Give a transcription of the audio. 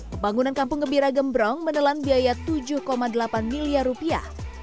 pembangunan kampung gembira gembrong menelan biaya tujuh delapan miliar rupiah